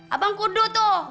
abang kudu tuh